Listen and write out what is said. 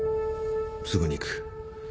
すぐに行く。